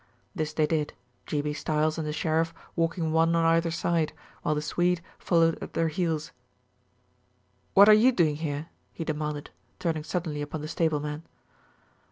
This they did, G. B. Stiles and the sheriff walking one on either side, while the Swede followed at their heels. "What are you doing here?" he demanded, turning suddenly upon the stable man.